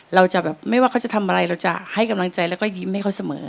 เราจะแบบไม่ว่าเขาจะทำอะไรเราจะให้กำลังใจแล้วก็ยิ้มให้เขาเสมอ